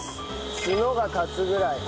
ツノが立つぐらい。